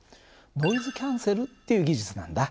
ノイズキャンセルっていう技術なんだ。